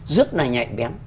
rất là nhạy bén